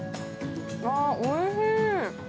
あー、おいしい。